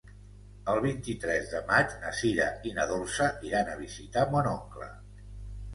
El vint-i-tres de maig na Sira i na Dolça iran a visitar mon oncle.